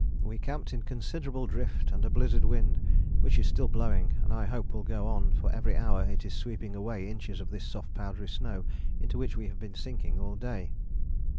"We camped in considerable drift and a blizzard wind, which is still blowing, and I hope will go on, for every hour it is sweeping away inches of this soft powdery snow into which we have been sinking all day."